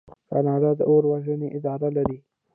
کاناډا د اور وژنې اداره لري.